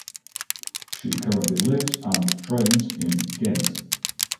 She currently lives and trains in Ghent.